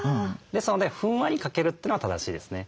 ですのでふんわりかけるというのが正しいですね。